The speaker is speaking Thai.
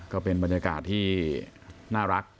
ก็เป็นบรรยากาศที่น่ารัก